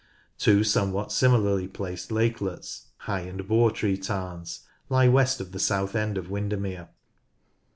LAKES 61 Two somewhat similarly placed lakelets, High and Boretree Tarns, lie west of the south end of Winder mere.